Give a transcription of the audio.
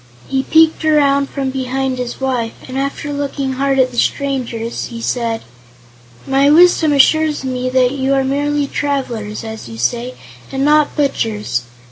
He peeked around from behind his wife and after looking hard at the strangers, he said: "My wisdom assures me that you are merely travelers, as you say, and not butchers.